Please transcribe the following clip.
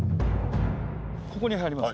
ここに入ります。